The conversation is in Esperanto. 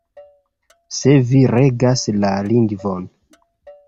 Se vi regas la lingvon.